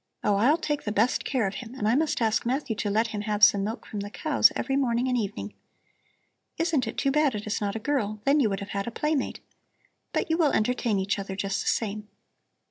Oh, I'll take the best care of him, and I must ask Matthew to let him have some milk from the cows every morning and evening. Isn't it too bad it is not a girl; then you would have a playmate. But you will entertain each other just the same.